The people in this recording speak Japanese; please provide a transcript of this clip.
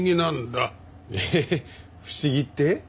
えっ不思議って？